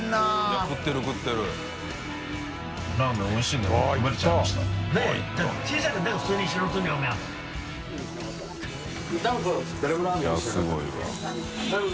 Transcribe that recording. いすごいわ。